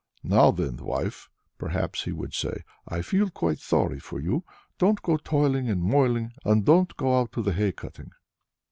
"Now then, wife," perhaps he would say, "I feel quite sorry for you; don't go toiling and moiling, and don't go out to the hay cutting."